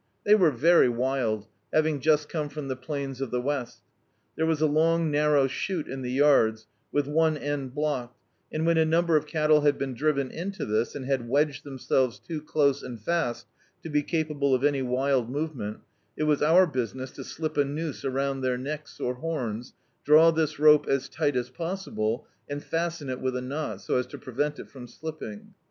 They were very wild, having just cmne from the pl^ns of the west. There was a long narrow shoot in the yards, with one end blocked, and when a number of cattle had been driven into this, and had wedged them selves too close and fast to be capable of any wild movement, it was our business to slip a noose around their horns, or necks, draw this rope as ti^t as possi ble, and fasten it with a knot, so as to prevent it from slipping.